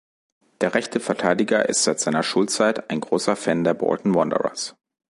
Der rechte Verteidiger ist seit seiner Schulzeit ein großer Fan der Bolton Wanderers.